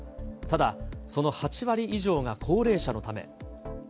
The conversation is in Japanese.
ただ、その８割以上が高齢者のため。